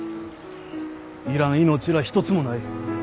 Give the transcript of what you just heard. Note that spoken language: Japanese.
要らん命らあ一つもない。